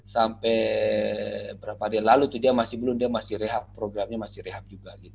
sampai berapa hari lalu itu dia masih belum dia masih rehab programnya masih rehab juga